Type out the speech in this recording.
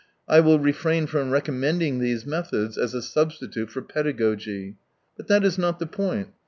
I will refrain from recommending these methods as a substitute for paedagogy. But that is not the point.